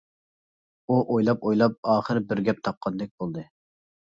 ئۇ ئويلاپ-ئويلاپ ئاخىر بىر گەپ تاپقاندەك بولدى.